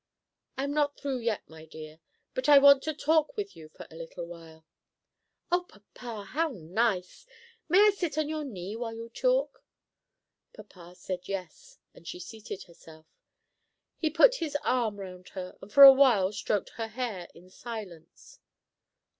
"I'm not through yet, my dear. But I want to talk with you for a little while." "O papa, how nice! May I sit on your knee while you talk?" Papa said yes, and she seated herself. He put his arm round her, and for a while stroked her hair in silence.